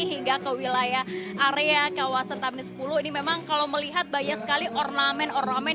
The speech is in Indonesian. hingga ke wilayah area kawasan tamrin sepuluh ini memang kalau melihat banyak sekali ornamen ornamen